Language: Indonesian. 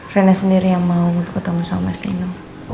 rena sendiri yang mau ketemu sama mas dino